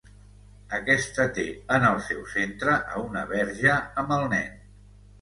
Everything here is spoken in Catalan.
Aquesta té en el seu centre a una verge amb el nen.